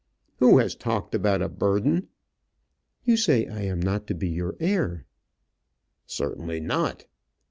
"Who has talked about a burden?" "You say I am not to be your heir?" "Certainly not."